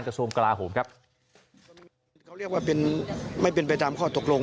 กระทรวงกลาโหมครับเขาเรียกว่าเป็นไม่เป็นไปตามข้อตกลง